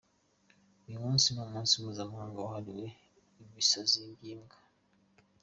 Uyu munsi ni umunsi mpuzamahanga wahariwe ibisazi by’imbwa.